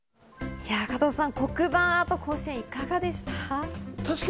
黒板アート甲子園いかがでしたか？